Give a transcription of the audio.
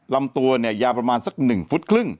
ลำตัวเนี่ยยาวประมาณสัก๑ฟุตครึ่ง